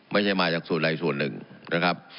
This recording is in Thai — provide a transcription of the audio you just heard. ไม่ใช่มาจากส่วนใดส่วนหนึ่งนะครับ